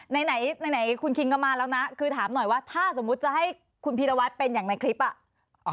ไหนไหนคุณคิงก็มาแล้วนะคือถามหน่อยว่าถ้าสมมุติจะให้คุณพีรวัตรเป็นอย่างในคลิปอ่ะ